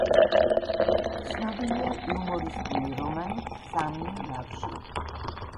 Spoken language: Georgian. ცნობილია იუმორისტული რომანით „სამნი ნავში“.